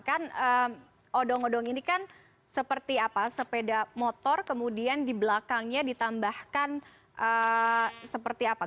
kan odong odong ini kan seperti apa sepeda motor kemudian di belakangnya ditambahkan seperti apa